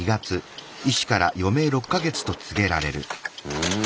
うん。